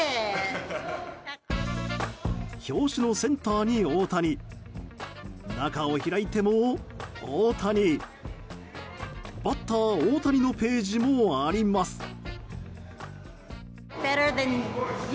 表紙のセンターに大谷中を開いても大谷バッター、大谷のページもあります。